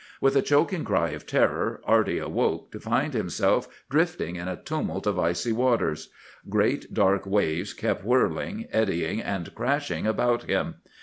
"With a choking cry of terror Arty awoke to find himself drifting in a tumult of icy waters. Great dark waves kept whirling, eddying, and crashing about him.